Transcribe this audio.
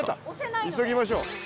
急ぎましょう。